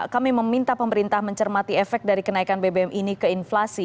kami meminta pemerintah mencermati efek dari kenaikan bbm ini ke inflasi